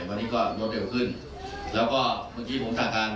วันนี้ก็รวดเร็วขึ้นแล้วก็เมื่อกี้ผมสั่งการ